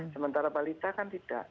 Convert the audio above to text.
sementara balita kan tidak